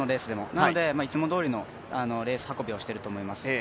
なのでいつもどおりのレース運びをしていると思いますね。